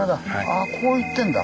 ああこういってんだ。